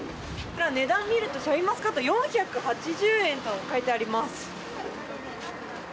値段見るとシャインマスカット４８０円と書いてあります。